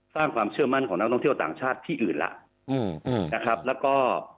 สร้างความเชื่อมั่นของนักท่องเที่ยวต่างชาติที่อื่นล่ะอืมนะครับแล้วก็